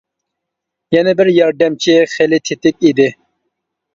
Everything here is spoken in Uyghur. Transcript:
يەنە بىر ياردەمچى خىلى تېتىك ئىدى.